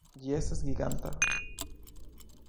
Ĝi estas giganta!